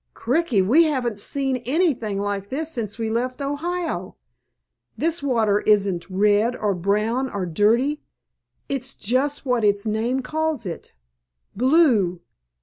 Cricky, we haven't seen anything like this since we left Ohio. This water isn't red or brown or dirty, it's just what its name calls it—_blue!